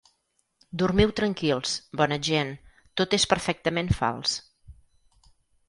“Dormiu tranquils, bona gent, tot és perfectament fals…”